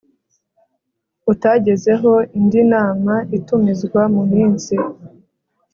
utagezeho indi nama itumizwa mu minsi